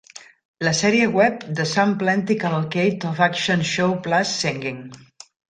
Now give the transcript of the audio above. La sèrie web "The Sam Plenty Cavalcade of Action Show Plus Singing!".